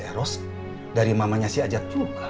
eros dari mamanya si ajat juga maksud bapak